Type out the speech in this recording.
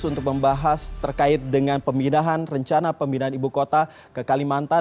untuk membahas terkait dengan pemindahan rencana pemindahan ibu kota ke kalimantan